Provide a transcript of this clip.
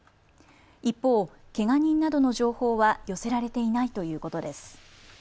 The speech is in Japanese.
一方、けが人などの情報は寄せられていないということです。